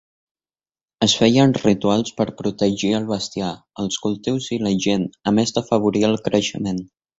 Es feien rituals per protegir el bestiar, els cultius i la gent, a més d"afavorir el creixement.